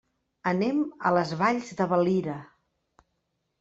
Anem a les Valls de Valira.